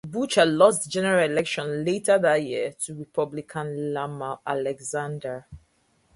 Butcher lost the general election later that year to Republican Lamar Alexander.